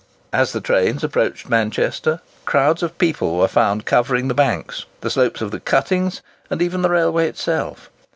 As the trains approached Manchester, crowds of people were found covering the banks, the slopes of the cuttings, and even the railway itself.